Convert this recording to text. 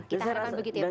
kita harapan begitu ya